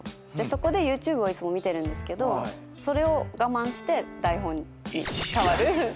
そこでＹｏｕＴｕｂｅをいつも見てるんですがそれを我慢して台本に変わるって感じ。